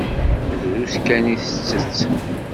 Drus kan i tettett.